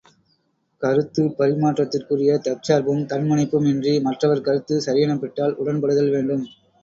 கருத்துப் பரிமாற்றத்திற்குரியத் தற்சார்பும் தன் முனைப்பும் இன்றி, மற்றவர் கருத்து சரியெனப்பட்டால் உடன்படுதல் வேண்டும்.